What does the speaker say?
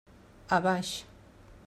A baix.